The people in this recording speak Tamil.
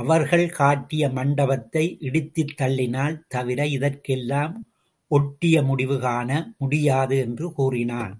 அவர்கள் கட்டிய மண்டபத்தை இடித்துத்தள்ளினால் தவிர இதற்கு எல்லாம் ஒட்டிய முடிவு காண முடியாது என்று கூறினான்.